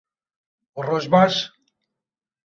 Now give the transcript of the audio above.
Roj baş!